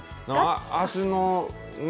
足のね